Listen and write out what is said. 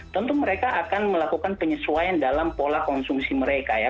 tentu mereka akan melakukan penyesuaian dalam pola konsumsi mereka ya